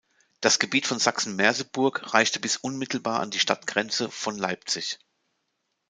Das Gebiet von Sachsen-Merseburg reichte bis unmittelbar an die Stadtgrenze von Leipzig.